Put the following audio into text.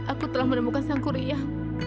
aku telah menemukan sang kuriah